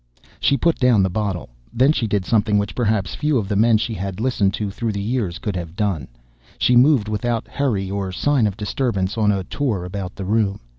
She put down the bottle. Then she did something which perhaps few of the men she had listened to through the years could have done. She moved without hurry or sign of disturbance on a tour about the room.